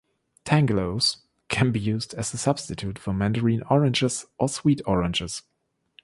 Tangelos can be used as a substitute for mandarin oranges or sweet oranges.